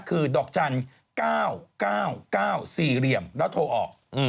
คือดอกจันทร์๙๙๙๔แล้วโทรออก